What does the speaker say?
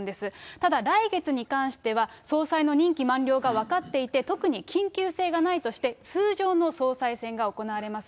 ただ来月に関しては、総裁の任期満了が分かっていて、特に緊急性がないとして、通常の総裁選が行われます。